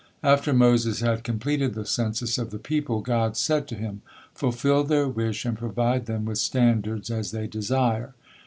After Moses had completed the census of the people, God said to Him: "Fulfill their wish and provide them with standards as they desire.